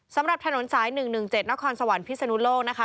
สำหรับถนนสาย๑๑๗นครสวรรค์พิศนุโลกนะคะ